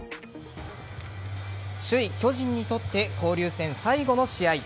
首位・巨人にとって交流戦最後の試合。